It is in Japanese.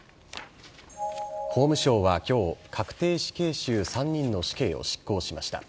法務省はきょう、確定死刑囚３人の死刑を執行しました。